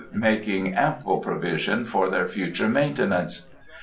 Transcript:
making ample provision for their future maintenance.